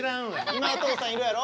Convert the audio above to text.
今お父さんいるやろ？